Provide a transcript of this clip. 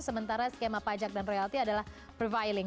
sementara skema pajak dan royalti adalah profiling